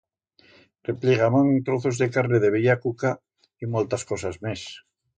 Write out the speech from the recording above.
Repllegaban trozos de carne de bella cuca y moltas cosas mes.